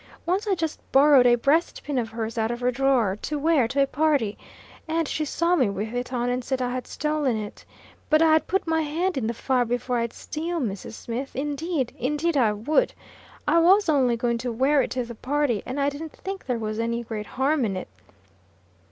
Once I just borrowed a breastpin of hers out of her drawer, to wear to a party; and she saw me with it on, and said I had stolen it. But, I'd put my hand in the fire before I'd steal, Mrs. Smith! Indeed, indeed I would. I was only going to wear it to the party; and I didn't think there was any great harm in that."